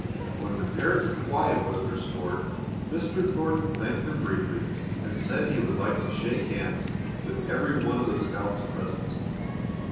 When comparative quiet was restored Mr. Thornton thanked them briefly and said he would like to shake hands with every one of the scouts present.